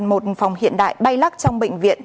một phòng hiện đại bay lắc trong bệnh viện